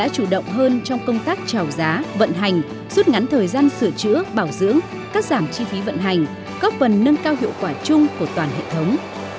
suốt ngắn thời gian sửa chữa bảo dưỡng cắt giảm chi phí vận hành góp phần nâng cao hiệu quả chung của toàn hệ thống